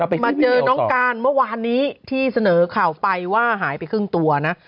ไปเจอน้องการเมื่อวานนี้ที่เสนอข่าวไปว่าหายไปครึ่งตัวนะ